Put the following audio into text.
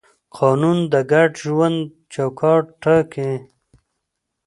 قانون د ګډ ژوند چوکاټ ټاکي.